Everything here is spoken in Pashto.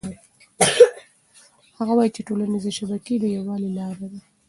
هغه وایي چې ټولنيزې شبکې د یووالي لاره ده.